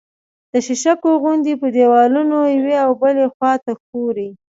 د شیشکو غوندې په دېوالونو یوې او بلې خوا ته ښوري